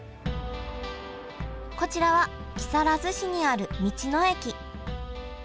こちらは木更津市にある道の駅。